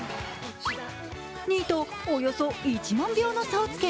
２位とおよそ１万票の差をつけ